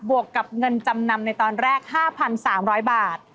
วกกับเงินจำนำในตอนแรก๕๓๐๐บาท